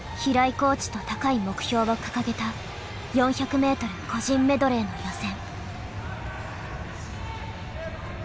コーチと高い目標を掲げた４００ｍ個人メドレーの予選。